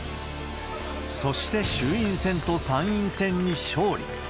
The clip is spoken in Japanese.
そして衆院選と参院選に勝利。